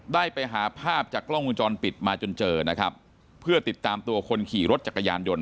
ได้ไปหาภาพจากกล้องวงจรปิดมาจนเจอนะครับเพื่อติดตามตัวคนขี่รถจักรยานยนต์